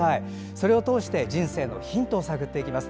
それを通して人生のヒントを探っていきます。